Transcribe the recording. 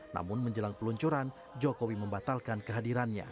namun menjelang peluncuran jokowi membatalkan kehadirannya